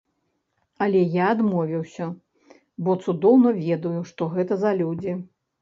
Але я адмовіўся, бо цудоўна ведаю, што гэта за людзі.